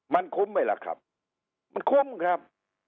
มันคุ้มไหมล่ะครับมันคุ้มครับ